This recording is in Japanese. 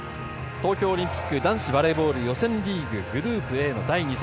東京オリンピック男子バレーボール、予選リーググループＡの第２戦。